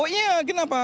oh iya kenapa